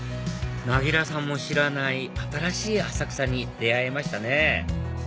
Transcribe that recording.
なぎらさんも知らない新しい浅草に出会えましたね